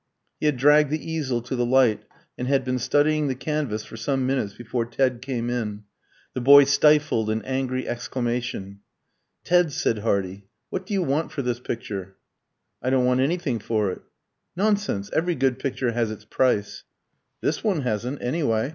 He had dragged the easel to the light, and had been studying the canvas for some minutes before Ted came in. The boy stifled an angry exclamation. "Ted," said Hardy, "what do you want for this picture?" "I don't want anything for it." "Nonsense! Every good picture has its price." "This one hasn't, anyway."